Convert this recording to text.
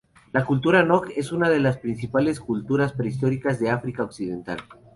La cultura Nok es una de las principales culturas prehistóricas de África Occidental.